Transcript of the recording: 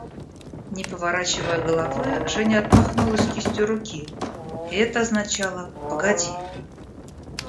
Не поворачивая головы, Женя отмахнулась кистью руки, и это означало: «Погоди!..